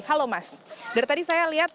halo mas dari tadi saya lihat